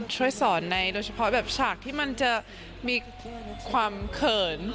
ช่วยสอนในโดยเฉพาะแบบฉากที่มันจะมีความเขิน